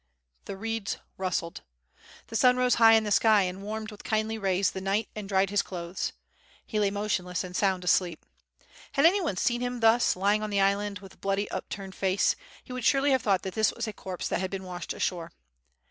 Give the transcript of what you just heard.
The reeds rustled. The sun rose high in the sky and warmeu with kindly rays the Knight and dried his clothes. He lay motionless and sound asleep. Had anyone seen him thus, lying on the island, with bloody, upturned face, he would surely have thought that this was a corpse that had been washed ashore.